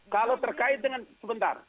kalau terkait dengan sebentar